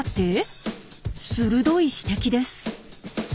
鋭い指摘です。